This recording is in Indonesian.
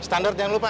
standar jangan lupa